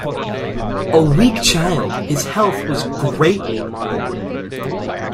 A weak child, his health was greatly monitored.